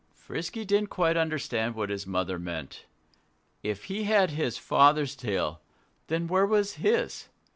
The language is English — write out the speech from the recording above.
Frisky didn't quite understand what his mother meant. If he had his father's tail, then where was his?